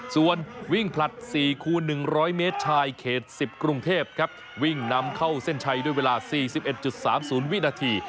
ส่วนวิ่งผลัดสี่คูณหนึ่งร้อยเมตรชายเขตสิบกรุงเทพครับวิ่งนำเข้าเส้นชัยด้วยเวลาสี่สิบเอ็ดจุดสามศูนย์วินาที